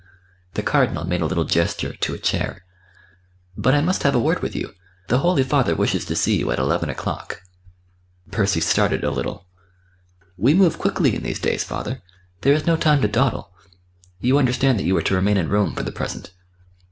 The Cardinal made a little gesture to a chair. "But I must have a word with you. The Holy Father wishes to see you at eleven o'clock." Percy started a little. "We move quickly in these days, father.... There is no time to dawdle. You understand that you are to remain in Rome for the present?"